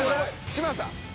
嶋佐